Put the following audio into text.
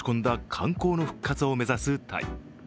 観光の復活を目指すタイ。